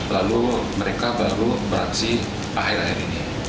lalu mereka baru beraksi akhir akhir ini